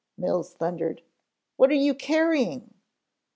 Mills thundered. "What are you carrying?"